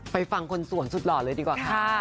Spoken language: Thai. ฟังคนสวนสุดหล่อเลยดีกว่าค่ะ